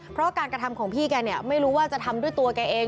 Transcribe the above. เพราะการกระทำของพี่แกเนี่ยไม่รู้ว่าจะทำด้วยตัวแกเอง